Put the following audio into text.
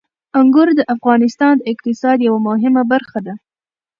انګور د افغانستان د اقتصاد یوه مهمه برخه ده.